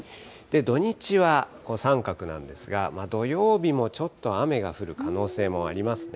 土日は三角なんですが、土曜日もちょっと雨が降る可能性もありますね。